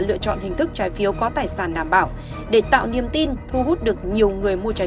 lựa chọn hình thức trái phiếu có tài sản đảm bảo để tạo niềm tin thu hút được nhiều người mua trái